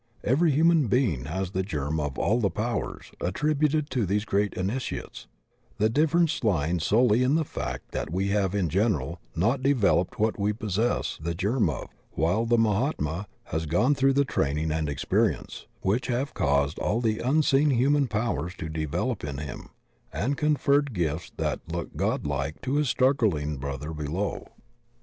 Every human being has the germ of all the powers attributed to these great Initiates, the difference lying solely in the fact that we have in general not developed what we possess the germ of, while the Mahatma has gone through the training and experience which have caused all the unseen human powers to develop in him, and conferred gifts that look god like to his struggling brother below.